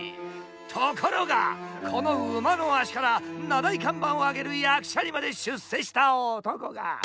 ところがこの馬の足から名題看板を上げる役者にまで出世した男が一人いる。